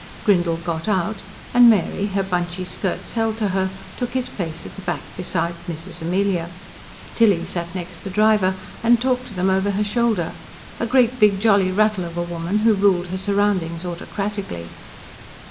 Grindle got out, and Mary, her bunchy skirts held to her, took his place at the back beside Mrs. Amelia. Tilly sat next the driver, and talked to them over her shoulder a great big jolly rattle of a woman, who ruled her surroundings autocratically.